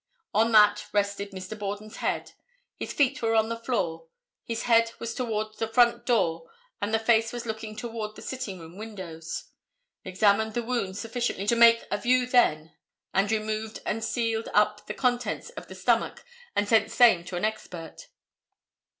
On that rested Mr. Borden's head. His feet were on the floor, his head was toward the front door and the face was looking toward the sitting room windows. Examined the wounds sufficiently to make a view then, and removed and sealed up the contents of the stomach and sent same to an expert.